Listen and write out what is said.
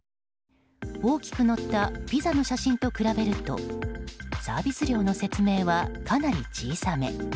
大きく載ったピザの写真と比べるとサービス料の説明はかなり小さめ。